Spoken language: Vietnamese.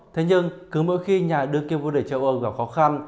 thế nhưng cứ mỗi khi nhà đưa kiếm vua để trận